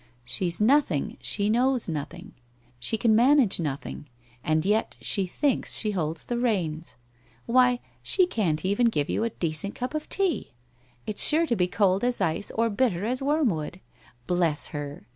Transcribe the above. She's nothing, she knows nothing, she can manage nothing, and yet she thinks she holds the reins. Why, she can't even give you a decent cup of tea; it's sure to be cold as ice or hitter as worm wood. Bless her!